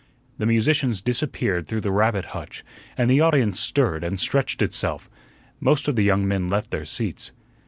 The musicians disappeared through the rabbit hutch, and the audience stirred and stretched itself. Most of the young men left their seats.